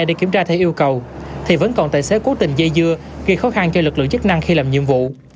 để kiểm tra theo yêu cầu thì vẫn còn tài xế cố tình dây dưa gây khó khăn cho lực lượng chức năng khi làm nhiệm vụ